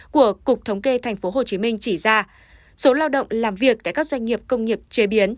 của cục thống kê tp hcm chỉ ra số lao động làm việc tại các doanh nghiệp công nghiệp chế biến